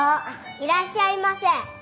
いらっしゃいませ！